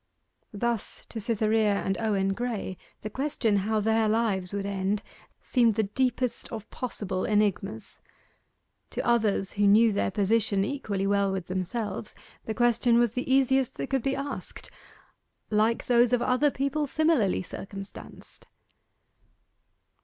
Thus to Cytherea and Owen Graye the question how their lives would end seemed the deepest of possible enigmas. To others who knew their position equally well with themselves the question was the easiest that could be asked 'Like those of other people similarly circumstanced.